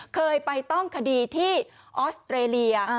เคยไปต้องคดีที่ออสเตรเลีย